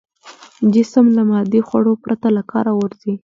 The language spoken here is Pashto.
جسم له مادي خوړو پرته له کاره غورځي.